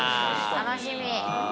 楽しみ。